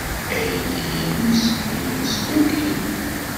Aydi-inu isem-nnes Cookie.